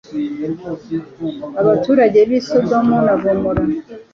abaturage b’i Sodomu na Gomora.